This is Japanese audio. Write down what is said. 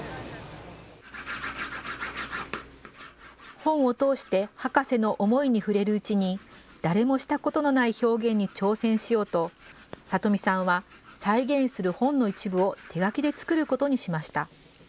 本を通して、博士の思いに触れるうちに、誰もしたことのない表現に挑戦しようと、里見さんは再現する本の一部を手書きで作ることにしました。